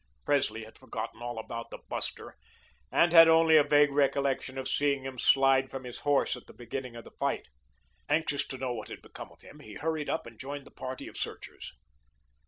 Presley had forgotten all about the buster and had only a vague recollection of seeing him slide from his horse at the beginning of the fight. Anxious to know what had become of him, he hurried up and joined the party of searchers.